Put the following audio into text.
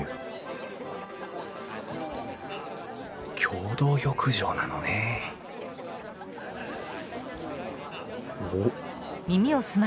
共同浴場なのね・おっ。